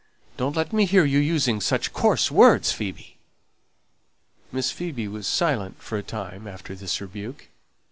Don't let me hear you using such coarse words, Phoebe!" Miss Phoebe was silent for a time after this rebuke.